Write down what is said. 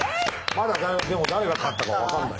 まだでも誰が勝ったか分かんない。